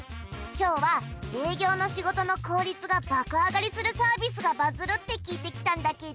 今日は営業の仕事の効率が爆上がりするサービスがバズるって聞いて来たんだけど